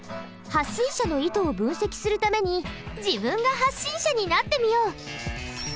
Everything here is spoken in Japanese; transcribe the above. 発信者の意図を分析するために自分が発信者になってみよう！